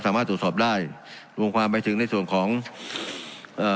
สามารถตรวจสอบได้รวมความไปถึงในส่วนของเอ่อ